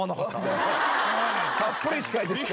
たっぷり司会ですから。